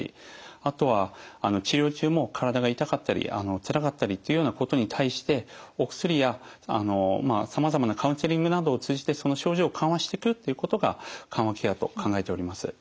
あとは治療中も体が痛かったりつらかったりというようなことに対してお薬やさまざまなカウンセリングなどを通じてその症状を緩和してくっていうことが緩和ケアと考えております。